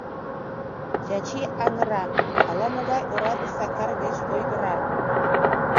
Чачи — аҥыра, ала-могай ораде Сакар верч ойгыра!